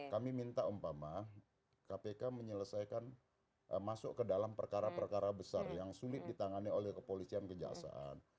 kami minta umpama kpk menyelesaikan masuk ke dalam perkara perkara besar yang sulit ditangani oleh kepolisian kejaksaan